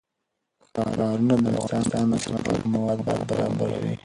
ښارونه د افغانستان د صنعت لپاره مواد برابروي.